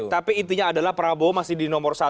tapi intinya adalah prabowo masih di nomor satu